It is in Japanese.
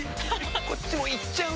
こっちも行っちゃうよ！